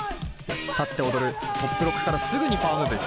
立って踊るトップロックからすぐにパワームーブです。